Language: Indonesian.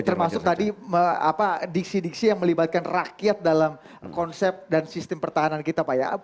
termasuk tadi diksi diksi yang melibatkan rakyat dalam konsep dan sistem pertahanan kita pak ya